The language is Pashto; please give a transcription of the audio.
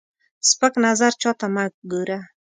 سپک نظر چاته مه ګوره